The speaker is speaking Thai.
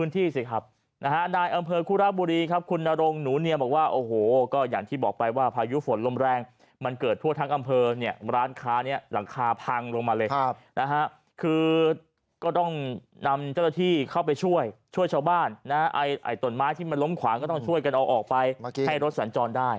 ต้นไม้ที่ล้มขวางก็ต้องช่วยกันออกไปให้รถสันจรได้